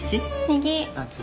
右。